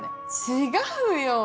違うよ。